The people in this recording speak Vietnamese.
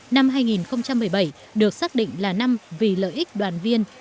năm hai nghìn một mươi bảy được xác định là năm vì lợi ích đoàn viên